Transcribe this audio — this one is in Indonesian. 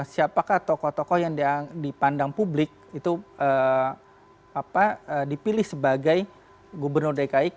siapakah tokoh tokoh yang dipandang publik itu dipilih sebagai gubernur dki